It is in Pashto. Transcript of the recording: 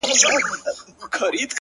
• څه مسافره یمه خير دی ته مي ياد يې خو،